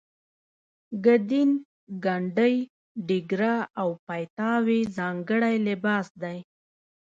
ګدین ګنډۍ ډیګره او پایتاوې ځانګړی لباس دی.